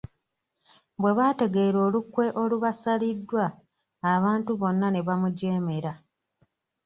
Bwe baategeera olukwe olubasaliddwa, abantu bonna ne bamujeemera.